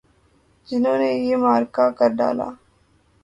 جنہوں نے یہ معرکہ کر ڈالا۔